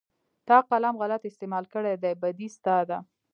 تا قلم غلط استعمال کړى دى بدي ستا ده.